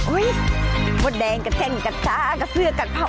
เฮ้ยมดแดงกับแจ้งกับชากับเสือกับเผา